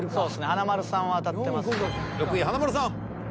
華丸さんは当たってます。